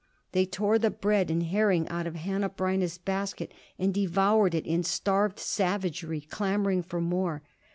They tore the bread and herring out of Hanneh Breineh's basket and devoured it in starved savagery, clamoring for more.